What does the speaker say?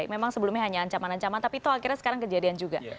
memang sebelumnya hanya ancaman ancaman tapi itu akhirnya sekarang kejadian juga